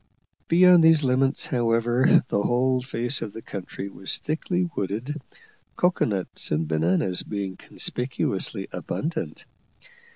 Beyond these limits, however, the whole face of the country was thickly wooded, cocoa nuts and bananas being conspicuously abundant.